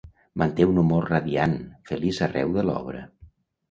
Manté un humor radiant, feliç arreu de l'obra.